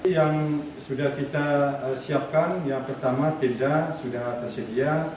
yang sudah kita siapkan yang pertama tenda sudah tersedia